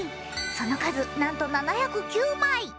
その数なんと７０９枚。